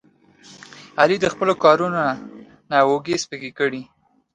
علي د خپلو کارونو نه اوږې سپکې کړلې.